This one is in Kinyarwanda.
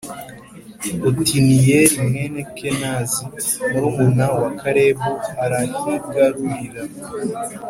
Otiniyeli mwene Kenazi, murumuna wa Kalebu, arahigarurira,